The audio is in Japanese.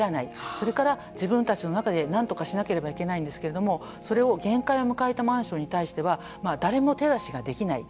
それから、自分たちの中でなんとかしなければいけないんですけれどもそれを限界を迎えたマンションに対しては誰も手出しができない。